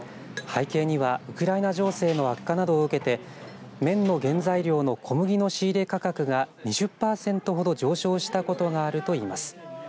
背景には、ウクライナ情勢の悪化などを受けて麺の原材料の小麦の仕入れ価格が２０パーセントほど上昇したことがあるといいます。